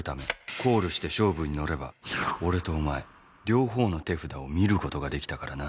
コールして勝負に乗れば俺とお前両方の手札を見ることができたからな。